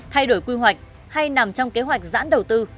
thay đổi quy hoạch hay nằm trong kế hoạch giãn đầu tư